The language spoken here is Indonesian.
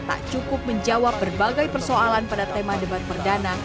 tak cukup menjawab berbagai persoalan pada tema debat perdana